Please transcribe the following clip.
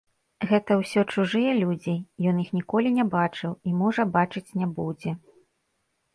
Гэта ўсё чужыя людзі, ён іх ніколі не бачыў і, можа, бачыць не будзе.